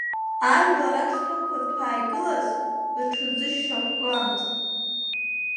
Ажәлар ашҭа ықәырҭәаа игылаз, рҽырзышьа-қәкуамызт.